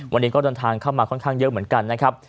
วันนี้ก็เดินทางเข้ามาค่อนข้างเยอะเหมือนกันนะครับ